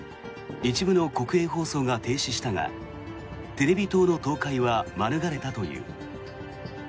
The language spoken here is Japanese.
一部の国営放送が停止したがテレビ塔の倒壊は免れたという。